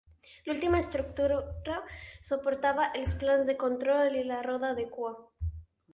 L'última estructura suportava els plans de control i la roda de cua.